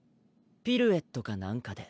ピルエットかなんかで。